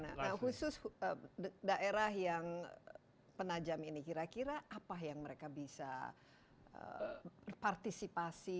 nah khusus daerah yang penajam ini kira kira apa yang mereka bisa partisipasi